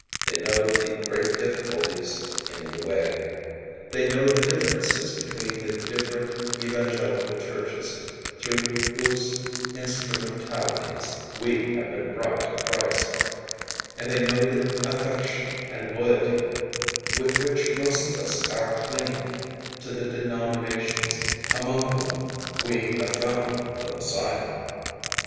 They know the great difficulties in the way. They know the differences between the different evan gelical churches through whose instrumentalities we have been brought to Christ, and they know the affection and loyalty with which most of us are clinging to the denominations among whom 'we have found the Messiah.